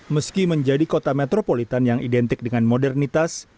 meski menjadi kota metropolitan yang identik dengan modernitas